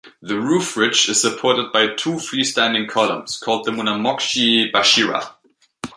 The roof ridge is supported by two free-standing columns called the munamochi-bashira.